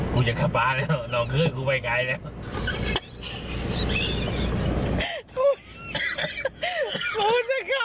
กูจะกลับบ้านแล้วน้องเครื่องกูไปไกลแล้ว